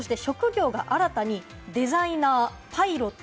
そして職業が新たにデザイナー、パイロット。